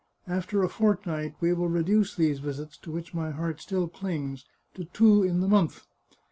After a fortnight we will reduce these visits, to which my heart still clings, to two in the month.